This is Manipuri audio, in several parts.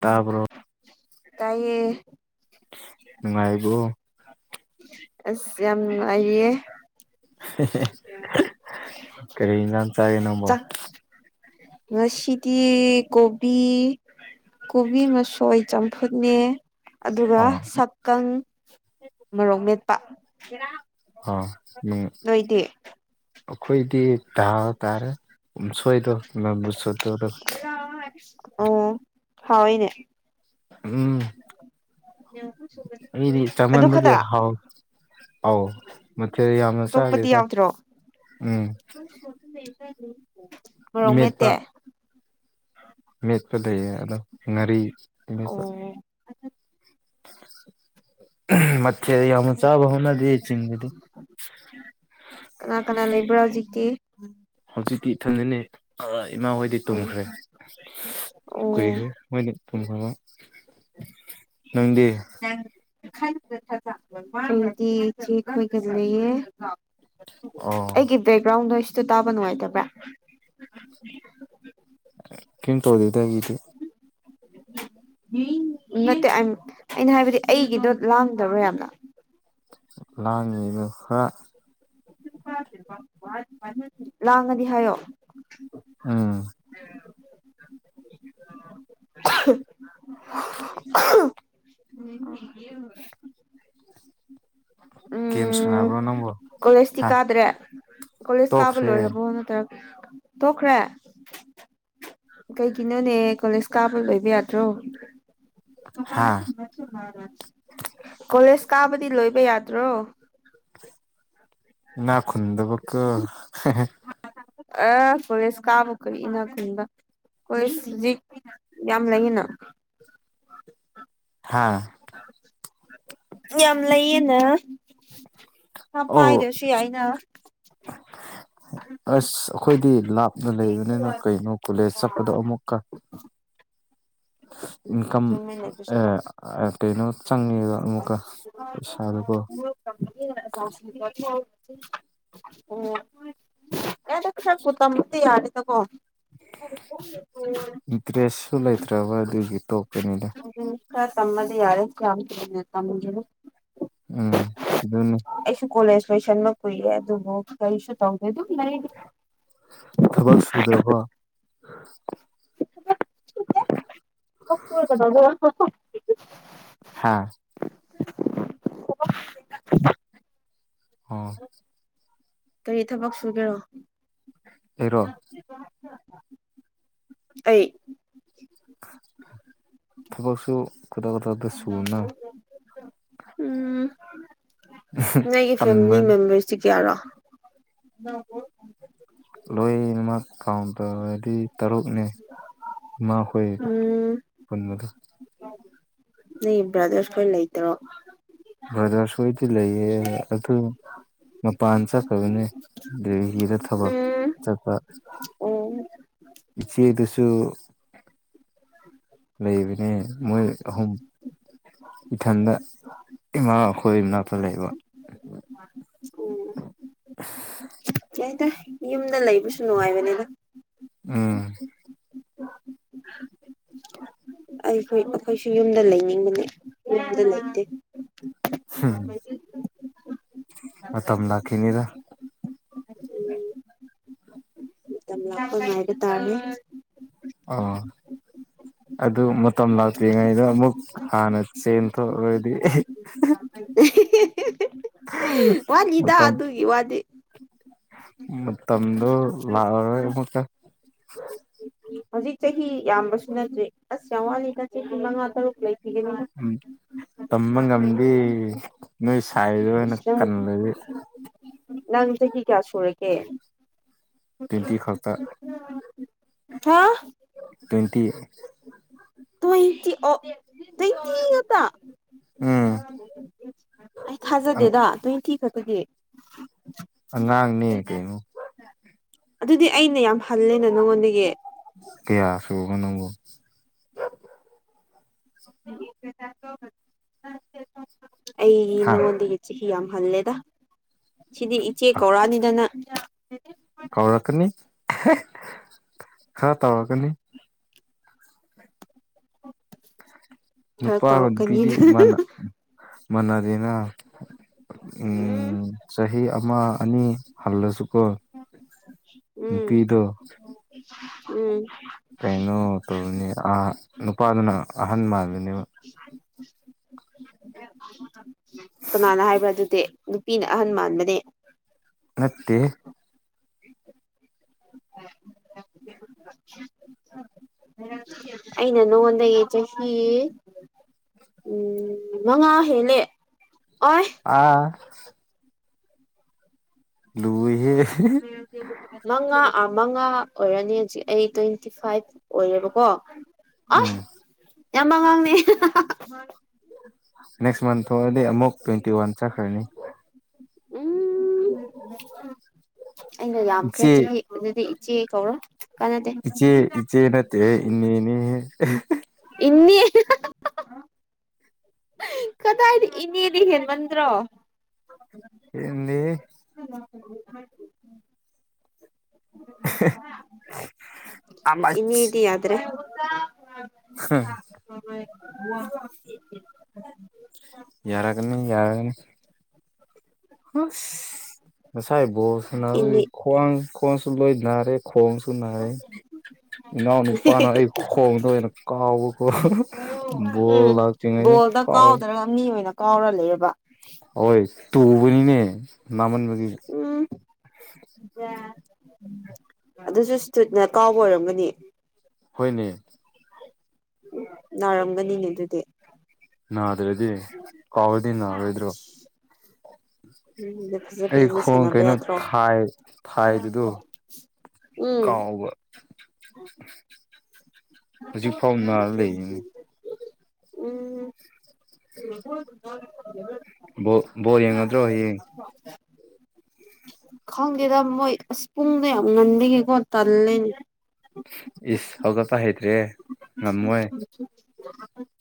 ꯇꯥꯕꯔꯣ ꯏꯌꯦ ꯅꯨꯡꯉꯥꯏꯕ꯭ꯔꯣ ꯑꯁ ꯌꯥꯝ ꯅꯨꯡꯉꯥꯏꯌꯦ ꯀꯔꯤ ꯂ ꯆꯔꯦ ꯅꯝꯕꯣ ꯁꯤꯗꯤ ꯀꯣꯕꯤ ꯀꯣꯕꯤ ꯃꯁꯣꯏ ꯆꯝꯐꯨꯠꯅꯦ ꯑꯗꯨꯒ ꯑꯣ ꯁꯛꯀꯪ ꯃꯔꯣꯔꯣꯛ ꯃꯦꯠꯄ ꯑꯝ ꯅꯣꯏꯗꯤ ꯑꯩꯈꯣꯏꯗꯤ ꯊꯥ ꯇꯥꯔꯦ ꯁꯣꯏꯕꯨꯁ ꯑꯣ ꯍꯥꯎꯅꯦ ꯎꯝ ꯑꯩꯗꯤ ꯑꯗꯨ ꯆꯃꯥꯟꯕꯨꯗꯤ ꯈꯛꯇ ꯍꯥꯎ ꯑ ꯃꯦ ꯌꯥꯝ ꯆꯗꯦ ꯑꯇꯣꯞꯄꯗꯤ ꯌꯥꯎꯗ꯭ꯔꯣ ꯎꯝ ꯃꯣꯔꯣꯛ ꯏꯃꯦꯠꯄ ꯃꯦꯠꯇꯦ ꯃꯦꯠꯄ ꯂꯩꯌꯦ ꯑꯗꯣ ꯉꯥꯔꯤꯠꯄ ꯑꯣ ꯃꯊ ꯌꯥꯝꯃ ꯆꯥꯕ ꯍꯧꯅꯗꯤꯦ ꯆꯤꯡꯤꯡꯗꯗꯤ ꯀꯅꯥ ꯀꯅꯥ ꯂꯩꯕ꯭ꯔꯥ ꯍꯧꯖꯤꯛꯀꯤ ꯍꯧꯖꯤꯛꯇꯤ ꯏꯊꯟꯗꯅꯤ ꯏꯃꯥ ꯍꯣꯏꯗꯤ ꯑꯣ ꯇꯨꯝꯈ꯭ꯔꯦ ꯀꯨꯏꯍꯣꯏ ꯃꯣꯏꯅꯤ ꯄꯨꯡꯍ ꯅꯪꯗꯤ ꯊꯗꯤ ꯍꯣꯏꯒ ꯂꯩꯌꯦ ꯑ ꯕꯦꯛꯒ꯭ꯔꯥꯎꯟꯗꯣ ꯏ ꯏꯁ ꯇꯥꯕ ꯅꯨꯡꯉꯥꯏꯇꯕ꯭ꯔꯥ ꯀꯦꯟ ꯇ ꯍꯧꯗ ꯏꯒꯗꯤ ꯎꯝ ꯅꯠꯇꯦ ꯑꯩꯅ ꯍꯥꯏꯕꯗꯤ ꯑꯩꯒꯤꯗꯣ ꯂꯥꯡꯗꯔꯣ ꯌꯥꯝꯅ ꯂꯥꯡꯉꯤꯕ ꯈꯔ ꯂꯥꯡꯉꯗꯤ ꯍꯥꯏꯌꯣ ꯎ [unintelligible] ꯒꯥꯝ ꯁꯅꯕꯣ ꯎꯝ ꯅꯪꯕꯣ ꯀꯣꯂꯦꯖꯇꯤ ꯍꯥ ꯀꯥꯗ꯭ꯔꯦ ꯀꯣꯂꯦꯖ ꯀꯥꯕ ꯇꯣꯛꯈ꯭ꯔꯦ ꯂꯣꯏꯔꯕꯣ ꯅꯠꯇ꯭ꯔ ꯇꯣꯛꯈ꯭ꯔꯦ ꯀꯩꯒꯤꯅꯣꯅꯦ ꯀꯣꯂꯦꯖ ꯀꯥꯕ ꯂꯣꯏꯕ ꯌꯥꯗ꯭ꯔꯣ ꯍꯥ ꯀꯣꯂꯦꯖ ꯀꯥꯕꯗꯤ ꯂꯣꯏꯕ ꯌꯥꯗ꯭ꯔꯣ ꯅꯥ ꯈꯨꯨꯟꯗꯕ ꯀ ꯑꯥ ꯀꯣꯂꯦꯖ ꯀꯥꯕꯨ ꯀꯔꯤ ꯏꯅꯥꯛ ꯈꯨꯟꯕ ꯀꯣꯂꯦꯖ ꯍꯧꯖꯤꯛ ꯌꯥꯝ ꯂꯩꯌꯦꯅ ꯍꯥꯥ ꯌꯥꯝ ꯂꯩꯌꯦꯅ ꯄꯩꯁꯥ ꯑꯧ ꯄꯥꯏꯗ꯭ꯔꯁꯨ ꯌꯥꯏꯅ ꯑꯁ ꯑꯩꯈꯣꯏꯗꯤ ꯂꯥꯞꯅ ꯂꯩꯕꯅꯤꯅ ꯀꯩꯅꯣ ꯀꯣꯂꯦꯖ ꯆꯠꯄꯗꯣ ꯑꯃꯨꯛꯀ ꯏꯟꯀꯝ ꯆꯨꯝꯃꯤꯅꯦ ꯑꯗꯨꯁꯨꯀꯣ ꯑ ꯀꯩꯅꯣ ꯆꯪꯉꯤꯕ ꯑꯃꯨꯛꯀ ꯄꯩꯁꯥꯗꯀꯣ [unintelligible] [unintelligible] [unintelligible] ꯇꯝꯃꯇꯤ ꯌꯥꯅꯤꯗ ꯀꯣ ꯏꯟꯇ꯭ꯔꯦꯁꯁꯨ ꯂꯩꯇ꯭ꯔꯕ ꯑꯗꯨꯒꯤ ꯇꯣꯄꯅꯤꯗ ꯑꯗꯨꯅꯤ ꯈꯔ ꯇꯝꯃꯗꯤ ꯌꯥꯔꯦ ꯀꯌꯥꯝ ꯀꯨꯢꯅ ꯇꯝꯒꯦꯔꯣ ꯎꯝ ꯑꯗꯨꯅꯤ ꯑꯩꯁꯨ ꯀꯣꯂꯦꯖ ꯂꯣꯢꯁꯤꯟꯕ ꯀꯨꯏꯔꯦ ꯑꯗꯨꯕꯨ ꯀꯔꯤꯁꯨ ꯇꯧꯗꯦ ꯑꯗꯨꯝ ꯂꯩ ꯊꯕꯛ ꯁꯨꯗ꯭ꯔꯕ [unintelligible] ꯍꯥꯥ ꯑꯣ ꯀꯔꯤ ꯊꯕꯛ ꯁꯨꯒꯦꯔꯣ ꯑꯩꯔꯣ ꯑꯩ ꯊꯕꯛꯁꯨ [unintelligible] ꯁꯨꯅ ꯎꯝ ꯅꯣꯢꯒꯤ ꯇꯟꯕ ꯐꯦꯃꯤꯂꯤ ꯃꯦꯝꯕꯔꯁꯤ ꯀꯌꯥꯔꯣ ꯂꯣꯏꯅꯃꯛ ꯀꯥꯎꯟ ꯇꯧꯔꯗꯤ ꯇꯔꯨꯛꯅꯦ ꯏꯃꯥ ꯍꯣꯢ ꯎꯝ ꯄꯨꯟꯅ ꯅꯩ ꯕ꯭ꯔꯗꯔꯁ ꯈꯣꯏ ꯂꯩꯇ꯭ꯔꯣ ꯕ꯭ꯔꯗꯔꯁ ꯈꯣꯏꯗꯤ ꯂꯩꯥꯏꯌꯦ ꯑꯗꯨ ꯃꯄꯥꯟ ꯆꯠꯈ꯭ꯔꯕꯅꯤ ꯗꯦꯒꯤꯗ ꯊꯕꯛ ꯆꯠꯄ ꯑꯣ ꯏꯆꯦꯗꯨꯁꯨ ꯂꯩꯕꯅꯦ ꯃꯣꯏ ꯑꯍꯨꯝ ꯏꯊꯟꯗ ꯏꯃꯥ ꯑꯩꯈꯣꯏ ꯃꯅꯥꯛꯇ ꯂꯩꯕ ꯌꯥꯢꯗ ꯌꯨꯝꯗ ꯂꯩꯕꯁꯨ ꯅꯨꯡꯉꯥꯏꯕꯅꯤꯗ ꯎꯝ ꯑꯩꯈꯣꯏ ꯑꯩꯈꯣꯏꯁꯨ ꯌꯨꯝꯗ ꯂꯩꯅꯤꯡꯕꯅꯦ ꯌꯨꯝꯗ ꯂꯩꯇꯦ ꯍꯝ ꯃꯇꯝ ꯂꯥꯛꯈꯤꯅꯤꯗ ꯃꯇꯝ ꯂꯥꯛꯄ ꯉꯥꯏꯕ ꯇꯥꯔꯦ ꯑꯣ ꯑꯗꯨ ꯃꯇꯝ ꯂꯥꯛꯇ꯭ꯔꯤꯉꯩꯗ ꯑꯃꯨꯛ ꯍꯥꯟꯅ ꯆꯦꯟꯊꯣꯛꯑꯔꯗꯤ [unintelligible] ꯋꯥꯠꯔꯤꯗ ꯃꯇꯝ ꯑꯗꯨꯒꯤ ꯋꯥꯗꯤ ꯃꯇꯝꯗꯣ ꯂꯥꯛꯑꯔꯣꯏ ꯑꯃꯨꯛꯀ ꯍꯧꯖꯤꯛ ꯆꯍꯤ ꯌꯥꯝꯕꯁꯨ ꯅꯠꯇ꯭ꯔꯤ ꯑꯁ ꯌꯥꯝ ꯋꯥꯠꯂꯤꯗ ꯆꯍꯤ ꯃꯉꯥ ꯇꯔꯨꯛ ꯂꯩ [unintelligible] ꯇꯝꯕ ꯉꯝꯗꯦ ꯅꯣꯏ ꯁꯥꯏꯗꯨ ꯑꯣꯢꯅ ꯏꯁ ꯅꯪ ꯀꯜꯂꯗꯤ ꯅꯪ ꯆꯍꯤ ꯀꯌꯥ ꯁꯨꯔꯒꯦ ꯇ꯭ꯋꯦꯟꯇꯤ ꯈꯛꯇ ꯍꯥ ꯇ꯭ꯋꯦꯟꯇꯤ ꯇ꯭ꯋꯦꯟꯇꯤ ꯑꯣ ꯇ꯭ꯋꯦꯟꯇꯤ ꯉꯥꯛꯇ ꯎꯝ ꯑꯩ ꯊꯥꯖꯗꯦꯗ ꯇ꯭ꯋꯦꯟꯇꯤ ꯈꯛꯇꯒꯤ ꯑ ꯉꯥꯡꯅꯤ ꯀꯩꯅꯩꯅ ꯑꯗꯨꯗꯤ ꯑꯩꯅ ꯌꯥꯝ ꯍꯂꯦꯅ ꯅꯉꯣꯟꯗꯒꯤ ꯀꯌꯥꯁꯨꯒꯅꯕꯨꯣ ꯑꯩꯒꯤ ꯍꯥ ꯅꯉꯣꯟꯗꯤ ꯆꯍꯤ ꯌꯥꯝ ꯍꯜꯂꯦꯗ ꯁꯤꯗꯤ ꯏꯆꯦ ꯀꯧꯔꯛꯑꯅꯤꯗꯅ ꯀꯧꯔꯛꯀꯅꯤ ꯈꯔ ꯇꯧꯔꯛꯀꯅꯤ [unintelligible] ꯅꯨꯄꯥꯒ ꯅꯨꯄꯤꯗꯤ ꯇꯧꯔꯛꯀꯅꯤꯗ ꯃꯥꯅ ꯃꯅꯗꯅ ꯎꯝ ꯆꯍꯤ ꯑꯃ ꯑꯅꯤ ꯍꯜꯂꯁꯨꯀꯣ ꯎꯝ ꯅꯨꯄꯤꯗꯣ ꯎꯝ ꯀꯩꯅꯣ ꯇꯧꯧꯕꯅꯤ ꯅꯨꯄꯥꯗꯨꯅ ꯑꯍꯟ ꯃꯥꯜꯂꯅꯦꯕ ꯎ ꯀꯅꯥꯅ ꯍꯥꯏꯕ꯭ꯔꯥ ꯑꯗꯨꯗꯤ ꯅꯨꯄꯤꯅ ꯑꯍꯟ ꯃꯥꯟꯕꯅꯦ ꯅꯠꯇꯦ ꯑꯩꯅ ꯅꯨ ꯑꯣꯣꯟꯟ ꯌꯦ ꯆꯁꯤ ꯎꯝ ꯎ ꯅꯉ ꯍꯦꯂꯦ ꯑꯣ ꯑꯥ ꯂꯣꯏꯍꯦ ꯃꯉꯥꯥ ꯃꯉꯥ ꯑꯣꯏꯔꯅꯤ ꯍꯧꯖꯤꯛ ꯑꯩ ꯇ꯭ꯋꯦꯟꯇꯤ ꯐꯥꯏꯚ ꯑꯣꯏꯌꯦꯕꯀꯣ ꯑ ꯎꯝ ꯌꯥꯝ ꯑꯉꯥꯡꯅꯦ ꯅꯦꯛꯁ ꯃꯟꯊꯣꯛ ꯇ꯭ꯋꯦꯟꯇꯤ ꯋꯥꯟ ꯆꯈ꯭ꯔꯅꯤ ꯎꯝ ꯑꯩꯅ ꯌꯥꯝ ꯏꯆꯦ ꯈ꯭ꯔꯦꯆꯈꯤ ꯑꯗꯨꯗꯤ ꯆꯦ ꯀꯧꯔꯣ ꯀꯥꯟꯅꯥꯗꯦ ꯏꯆꯦ ꯏꯆꯦ ꯅꯠꯇꯦ ꯏꯟꯅꯅꯦ ꯏꯟꯅ ꯀꯗꯥꯏꯗ ꯏꯅꯦꯗꯤ ꯍꯦꯟꯃꯟꯗ꯭ꯔꯣ ꯌꯦꯗꯤ ꯏꯅꯤ ꯑꯃꯁ ꯏꯗ꯭ꯔꯦ ꯍꯝ ꯑ ꯋꯥ ꯔꯥꯒ ꯔꯥꯒꯅꯤ ꯍ ꯁꯥꯏꯕꯣ ꯁꯅ ꯏꯅꯦ ꯈ꯭ꯋꯥꯡ ꯈ꯭ꯋꯥꯡꯁꯨ ꯂꯣꯏ ꯅꯥꯔꯦ ꯈ꯭ꯋꯥꯡꯁꯨ ꯅꯥꯔꯦ ꯏꯅꯥꯎ ꯅꯨꯄꯥꯅ ꯑꯩ ꯈꯣꯡꯗ ꯑꯣꯏꯅ ꯀꯥꯎꯕ ꯣ ꯎꯝ ꯂꯥꯛ ꯀꯉꯅꯦ ꯕꯣꯜꯗ ꯀ ꯀꯥꯎꯗ꯭ꯔꯒ ꯃꯤ ꯑꯣꯏꯅ ꯀꯥꯎꯔ ꯂꯩꯕ ꯍꯣꯏ ꯇꯨꯕꯅꯤꯅꯦ ꯃꯃꯟꯕꯒꯤ ꯎꯝ ꯑꯗꯨꯁꯨ ꯁꯇꯨꯠꯅ ꯀꯥꯎꯕ ꯑꯣꯏꯔꯝꯒꯅꯤ ꯍꯣꯏꯅꯦ ꯎ ꯅꯥꯔꯝꯒꯅꯤꯅꯦ ꯑꯗꯨꯗꯤ ꯅꯗ꯭ꯔꯦꯗꯤ ꯀꯥꯎꯗꯤꯟ ꯅꯗꯣ ꯑꯗꯨ ꯐꯖ ꯑꯩ ꯐꯖꯅ ꯈꯣꯡ ꯁꯥꯟꯅꯕ ꯀꯩꯅꯣ ꯌꯥꯗ꯭ꯔꯣ ꯊꯥꯏ ꯊꯥꯏꯗꯨꯗ ꯎꯝ ꯀꯥꯎꯕ ꯍꯧꯖꯤꯛ ꯐꯥꯎ ꯅꯥꯔ ꯂꯩꯔꯤꯅꯤ ꯎꯝ [unintelligible] ꯕ ꯕꯣꯔ ꯌꯦꯡꯉꯗ꯭ꯔꯣ ꯍꯌꯦꯡ ꯍꯣꯏ ꯈꯪꯗꯦꯗ ꯃꯣꯏ ꯑꯁ ꯄꯨꯡꯗꯣ ꯌꯥꯝ ꯉꯟꯗꯒꯦꯀꯣ ꯇꯜꯂꯦꯅꯦ ꯏꯁ ꯍꯧꯒꯠꯄ ꯍꯩꯇ꯭ꯔꯦ ꯉꯝꯃꯣꯏ [unintelligible]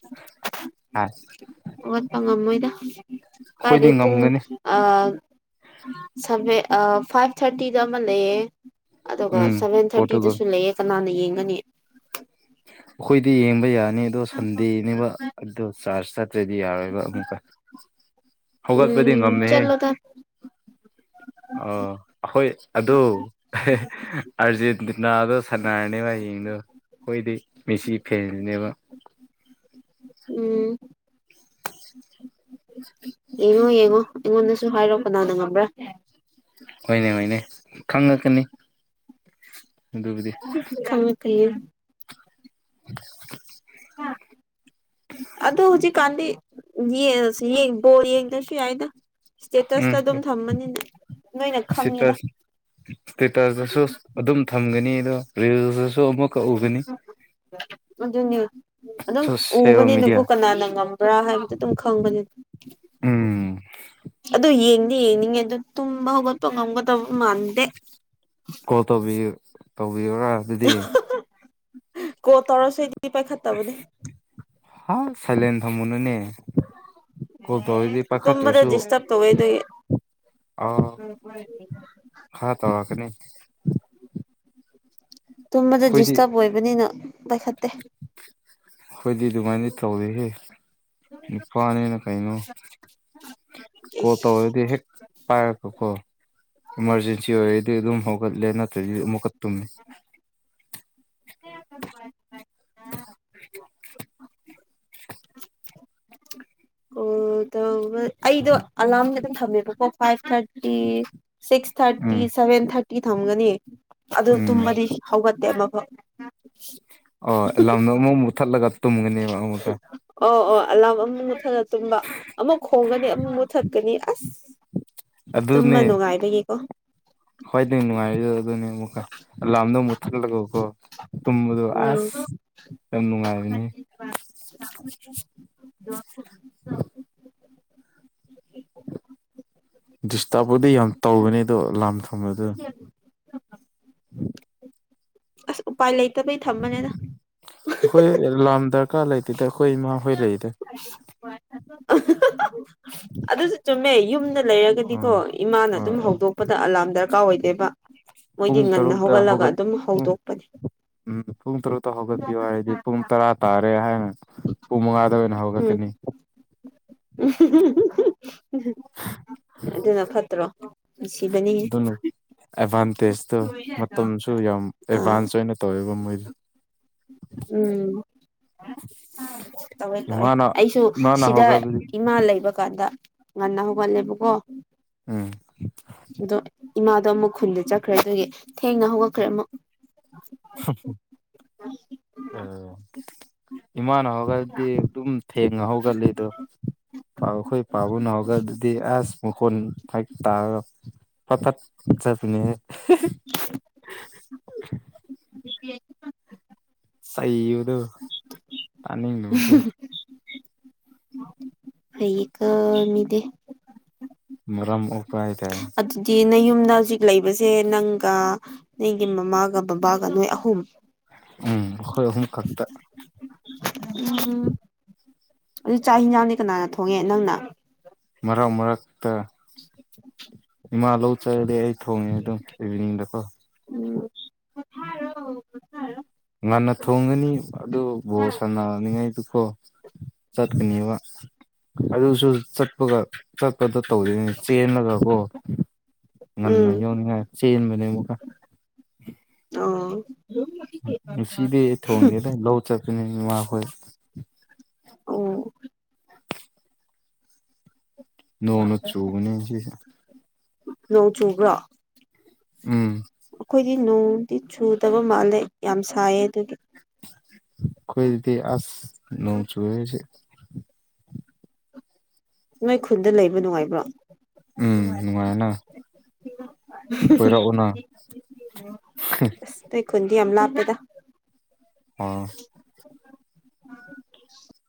ꯑ ꯋꯥꯠꯄ ꯉꯝꯃꯣꯏꯗ ꯑꯩꯈꯣꯏꯗꯤ ꯀꯥꯏꯗꯗꯤ ꯄꯨꯡ ꯉꯝꯒꯅꯤ ꯁꯚꯦꯟ ꯐꯥꯏꯚ ꯊꯥꯔꯇꯤꯗ ꯑꯃ ꯂꯩꯌꯦ ꯑꯗꯨꯒ ꯎꯝ ꯁꯚꯦꯟ ꯄꯣꯔꯇꯨꯒꯜ ꯊꯥꯔꯇꯤꯗꯁꯨ ꯂꯩꯌꯦ ꯀꯅꯥꯅ ꯌꯦꯡꯒꯅꯤ ꯑꯩꯈꯣꯏꯗꯤ ꯌꯦꯡꯕ ꯌꯥꯅꯤ ꯑꯗꯣ ꯁꯟꯗꯦꯅꯦꯕ ꯑꯗꯨꯗꯣ ꯆꯥꯔ ꯆ ꯆꯠꯇ꯭ꯔꯗꯤ ꯌꯥꯔꯣꯏꯕ ꯑꯃꯨꯛꯀ ꯍꯧꯒꯠꯄꯗꯤ ꯉꯝꯃꯦꯍꯦ ꯆꯠꯂꯣꯗ ꯎꯝ ꯑ ꯑꯩꯈꯣꯏ ꯑꯗꯨ ꯑꯥꯔꯖꯦꯟꯇꯤꯅꯥꯗꯣ ꯁꯥꯟꯅꯔꯅꯦꯕ ꯍꯌꯦꯡꯗꯣ ꯑꯩꯈꯣꯏꯗꯤ ꯃꯦꯁꯤ ꯐꯦꯟꯅꯦꯕ ꯎꯝ ꯌꯦꯡꯉꯣ ꯌꯦꯡꯉꯣ ꯑꯩꯉꯣꯟꯗꯁꯨ ꯍꯥꯏꯔꯣ ꯀꯅꯥꯅ ꯉꯝꯕ꯭ꯔꯥ ꯍꯣꯏꯅꯦ ꯍꯣꯏꯅꯦ ꯈꯪꯉꯛꯀꯅꯤ ꯑꯗꯨꯕꯨꯗꯤ ꯈꯪꯉꯛ ꯀꯌꯥ [unintelligible] ꯎꯝ [unintelligible] ꯑꯗꯣ ꯍꯧꯖꯤꯛꯀꯥꯟꯗꯤ ꯌꯦ ꯌꯦ ꯕꯣꯜ ꯌꯦꯡꯗꯁꯨ ꯌꯥꯏꯗ ꯎꯝ ꯏꯁꯇꯦꯇꯁꯇ ꯑꯗꯨꯝ ꯊꯝꯕꯅꯤꯅ ꯅꯣꯏꯅ ꯏꯁꯇꯦ ꯈꯪꯉꯦꯗ ꯏꯁꯇꯦꯇꯁꯇꯥꯁꯨ ꯑꯗꯨꯝ ꯊꯝꯒꯅꯤ ꯑꯗꯣ ꯔꯤꯜꯗꯁꯨ ꯑꯃꯨꯛꯀ ꯎꯒꯅꯤ ꯑꯗꯨꯅ ꯑꯗꯨꯝ ꯁꯣꯁꯦꯜ ꯎꯕꯅꯤꯅꯀꯣ ꯃꯦꯗꯤꯌꯥ ꯀꯅꯥꯅ ꯉꯝꯕ꯭ꯔꯥ ꯍꯥꯏꯕꯗꯨ ꯑꯗꯨꯝ ꯈꯪꯕꯅꯤ ꯎꯝ ꯑꯗꯨ ꯌꯦꯡꯗꯤꯦ ꯌꯦꯡꯅꯤꯡꯉꯦ ꯑꯗꯨ ꯇꯨꯝꯕ ꯍꯧꯒꯠꯄ ꯉꯝꯒꯗꯧꯕ ꯃꯥꯟꯗꯦ ꯀꯣꯜ ꯇꯧꯕꯤꯎ ꯇꯧꯕꯤꯌꯨꯔꯥ ꯑꯗꯨꯗꯤ ꯀꯣꯜ ꯇꯧꯔꯁꯨ ꯑꯩꯗꯤ ꯄꯥꯏꯈꯠꯇꯕꯅꯦ ꯍ ꯁꯥꯏꯂꯦꯟꯠ ꯊꯝꯃꯨꯅꯨꯅꯦ ꯀꯣꯜ ꯇꯧꯔꯗꯤ ꯇꯨꯝꯃꯗ ꯄꯥꯏꯈꯠꯇ꯭ꯔꯁꯨ ꯗꯤꯁꯇꯞ ꯇꯧꯋꯦ ꯑꯗꯨꯒꯤ ꯑꯎ ꯈꯔꯥ ꯇꯧꯔꯛꯀꯅꯤ ꯇꯨꯝꯕꯗ ꯑꯩꯈꯣꯏꯗꯤ ꯗꯤꯁꯇꯔꯕ ꯑꯣꯏꯕꯅꯤꯅ ꯄꯥꯏꯈꯠꯇꯦ ꯍꯣꯏꯗꯤ ꯑꯗꯨꯃꯥꯏꯅ ꯇꯧꯔꯣꯢꯌꯦ ꯅꯨꯄꯥꯅꯤꯅ ꯀꯩꯅꯣ ꯀꯣꯜ ꯇꯧꯔꯗꯤ ꯍꯦꯛ ꯄꯥꯏꯔꯛꯄꯀꯣ ꯏꯃꯥꯔꯖꯦꯟꯁꯤ ꯑꯣꯏꯔꯗꯤ ꯑꯗꯨꯝ ꯍꯧꯒꯠꯂꯦ ꯅꯠꯇ꯭ꯔꯗꯤ ꯑꯃꯨꯛꯀ ꯇꯨꯝꯃꯦ [unintelligible] [unintelligible] ꯀꯣꯜ ꯇꯧꯕꯥ ꯑꯩꯗꯣ ꯑꯂꯥꯔꯝꯗꯤ ꯑꯗꯨꯝ ꯊꯝꯃꯦꯕꯀꯣ ꯐꯥꯏꯚ ꯊꯥꯔꯇꯤ ꯁꯤꯛꯁ ꯊꯥꯔꯇꯤ ꯎꯝ ꯁꯚꯦꯟ ꯊꯥꯔꯇꯤ ꯊꯝꯒꯅꯤ ꯑꯗꯨ ꯎꯝ ꯇꯨꯝꯕꯗꯤ ꯍꯧꯒꯠꯇꯦꯕ ꯑꯃꯨꯛꯀꯥ ꯑꯣ ꯑꯦꯂꯥꯝꯗ ꯑꯃ ꯃꯨꯛꯊꯠꯂꯒ ꯇꯨꯝꯒꯅꯦꯕ ꯑꯃꯨꯛꯀ ꯑꯣ ꯑꯣ ꯑꯂꯥꯔꯝ ꯑꯃ ꯃꯨꯠꯊꯠꯂꯒ ꯇꯨꯝꯕ ꯑꯃꯨꯛ ꯈꯣꯡꯒꯅꯤ ꯑꯃꯨꯛ ꯃꯨꯠꯊꯠꯀꯅꯤ ꯑꯁ ꯇꯨꯝꯕ ꯑꯗꯨꯅꯦ ꯅꯨꯡꯉꯥꯏꯕꯒꯤꯀꯣ ꯈ꯭ꯋꯥꯏꯗꯒꯤ ꯅꯨꯡꯉꯥꯏꯕꯗꯨꯗ ꯑꯗꯨꯅꯦ ꯑꯃꯨꯛꯀ ꯑꯂꯥꯝꯗꯣ ꯑꯃꯨꯛ ꯊꯜꯂꯒꯀꯣ ꯇꯨꯝꯕꯗꯣ ꯎꯝ ꯑꯁ ꯌꯥꯝ ꯅꯨꯡꯉꯥꯏꯕꯅꯤ [inaudible] ꯗꯤꯁꯇꯔꯕꯄꯨꯗꯤ ꯌꯥꯝ ꯇꯧꯕꯅꯦ ꯑꯗꯣ ꯑꯂꯥꯝ ꯊꯝꯕꯗ ꯑꯁ ꯎꯄꯥꯏ ꯂꯩꯇꯕꯩ ꯊꯝꯕꯅꯦꯗꯥ ꯑꯩꯈꯣꯏ ꯑꯦꯂꯥꯝ ꯗꯔꯀꯥꯔ ꯂꯩꯇꯦꯗ ꯑꯩꯈꯣꯏ ꯏꯃꯥꯍꯣꯏ ꯂꯩꯗ ꯑꯗꯨꯁꯨ ꯆꯨꯝꯃꯦ ꯌꯨꯝꯗ ꯂꯩꯔꯒꯗꯤꯀꯣ ꯑꯥ ꯏꯃꯥꯅ ꯑꯗꯨꯝ ꯍꯣꯏ ꯍꯧꯗꯣꯛ ꯄꯄꯗ ꯑꯂꯥꯔꯝ ꯗꯔꯀꯥꯔ ꯑꯣꯏꯗꯣꯏꯕ ꯃꯣꯏꯒꯤ ꯄꯨꯡ ꯉꯟꯅ ꯇꯔꯨꯛꯇ ꯍꯧꯒꯠꯂꯒ ꯍꯧꯒꯠ ꯑꯗꯨꯝ ꯄꯨꯡ ꯍꯧꯗꯣꯛꯄꯅꯤ ꯎꯝ ꯄꯨꯡ ꯇꯔꯨꯛꯇ ꯍꯧꯒꯠꯄꯤꯌꯣ ꯍꯥꯏꯔꯗꯤ ꯄꯨꯡ ꯇꯔꯥ ꯇꯥꯔꯦ ꯍꯥꯏꯅ ꯄꯨꯡ ꯃꯉꯥꯗꯕꯅꯑꯣꯏꯅ ꯎꯝ ꯍꯧꯒꯠꯀꯅꯤ ꯑꯗꯨꯅ ꯐꯠꯇ꯭ꯔꯣ ꯅꯨꯁꯤꯕꯅꯤ ꯑꯗꯨꯅ ꯑꯦꯗꯚꯥꯟꯇꯦꯖꯇꯣ ꯃꯇꯝꯁꯨ ꯌꯥꯝ ꯑꯥ ꯑꯦꯗꯚꯥꯟꯁ ꯑꯣꯏꯅ ꯇꯧꯋꯦꯕ ꯃꯣꯏꯗ ꯎꯝ [inaudible] ꯇꯧꯋꯦ ꯇꯧꯋꯦ ꯏꯃꯥꯅ ꯑꯩꯁꯨ ꯏꯃꯥꯅ ꯁꯤꯗ ꯍꯧꯒꯠꯕꯗꯤ ꯏꯃꯥ ꯂꯩꯕ ꯀꯥꯟꯗ ꯉꯟꯅ ꯍꯧꯒꯜꯂꯦꯕꯀꯣ ꯎꯝ ꯑꯗꯣ ꯏꯃꯥꯗꯣ ꯑꯃꯨꯛ ꯈꯨꯟꯗ ꯆꯠꯈ꯭ꯔꯦ ꯑꯗꯨꯒꯤ ꯊꯦꯡꯅ ꯍꯧꯒꯠꯈ꯭ꯔꯦ ꯑꯃꯨꯛ ꯑꯣ ꯏꯃꯥꯟ ꯍ ꯈꯗꯤ ꯑꯗꯨꯝ ꯊꯦꯡꯉ ꯍꯧꯒꯠꯂ ꯑꯗꯣ ꯄꯥꯎꯈꯣꯏ ꯄꯥꯕꯅꯍꯒ ꯑꯗꯨꯗꯤ ꯑꯁ ꯃꯣꯟ ꯐ ꯇꯥ ꯄꯇꯠ ꯆꯕꯅꯦ ꯍꯥꯏ ꯁꯩꯨꯗꯣ ꯇꯅꯤꯡ ꯂꯒꯣ ꯑꯩꯩ ꯀ ꯃꯤꯗꯦ ꯃꯔꯝ ꯑꯣꯏ ꯑꯗꯨ ꯅꯪ ꯌꯨꯝꯗ ꯍꯧꯖꯤꯛ ꯂꯩꯕꯁꯦ ꯅꯪꯒ ꯅꯪꯒꯤ ꯃꯃꯥꯒ ꯕꯕꯥꯒ ꯅꯣꯏ ꯑꯍꯨꯝ ꯎꯝ ꯑꯩꯈꯣꯏ ꯑꯍꯨꯝ ꯈꯛꯇ ꯎꯝ ꯑꯗꯨ ꯆꯥꯛ ꯍꯤꯟꯖꯥꯡꯗꯤ ꯀꯅꯥꯅ ꯊꯣꯡꯉꯦ ꯅꯪꯅ ꯃꯔꯛ ꯃꯔꯛꯇ [unintelligible] ꯏꯃꯥ ꯂꯧ ꯆꯔꯗꯤ ꯑꯩ ꯊꯣꯡꯉꯦ ꯑꯗꯨꯝ ꯏꯚꯅꯤꯡꯗꯀꯣ ꯎꯝ ꯉꯟꯅ ꯊꯣꯡꯒꯅꯤ ꯑꯗꯨ ꯕꯣꯁ ꯁꯥꯟꯅꯅꯤꯉꯥꯏꯗꯨꯀꯣ ꯆꯠꯀꯅꯤꯕ ꯑꯗꯨꯁꯨ ꯆꯠꯄꯒ ꯆꯠꯄꯗ ꯇꯧꯗꯅꯦ ꯆꯦꯜꯂꯒꯀꯣ ꯉꯟꯅ ꯌꯧꯅꯤꯡꯉꯥꯏ ꯆꯦꯟꯕꯅꯦ ꯑꯃꯨꯛꯀ ꯑ ꯁꯤꯗꯤꯩ ꯊꯣꯡꯅꯤꯦꯗ ꯂꯧ ꯆꯠꯄꯅꯦ ꯃꯥꯈꯣꯏ ꯑꯣ ꯅꯣꯡꯅ ꯆꯨꯕꯅꯤ ꯁꯤ ꯅꯣꯡ ꯆꯨꯕ꯭ꯔ ꯎꯝ ꯑꯩꯈꯣꯏꯗꯤ ꯅꯣꯡꯗꯤ ꯆꯨꯗꯕ ꯃꯥꯜꯂꯦ ꯌꯥꯝ ꯁꯥꯏꯌꯦ ꯑꯗꯨꯒꯤ ꯀꯣꯏ ꯔꯗꯤ ꯑꯁ ꯅ ꯆꯨꯋꯁ ꯅꯣꯏ ꯈꯨꯟꯗ ꯂꯩꯕ ꯅꯨꯡꯉꯥꯏꯕ꯭ꯔꯣ ꯎꯝ ꯅꯨꯡꯉꯥꯏꯅ ꯀꯣꯏꯔꯛꯎꯅ ꯈꯨꯗꯤ ꯌꯥꯝꯂꯄꯦꯗ ꯑꯣ